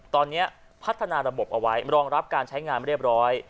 ตอนนี้พัฒนาระบบเอาไว้รองรับการใช้งานเรียบร้อย